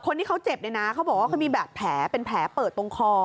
คนที่เขาเจ็บเนี่ยนะเขาบอกว่าเขามีบาดแผลเป็นแผลเปิดตรงคอ